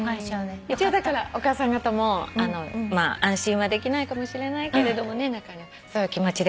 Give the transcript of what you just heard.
だからお母さん方も安心はできないかもしれないけどそういう気持ちでお願いします。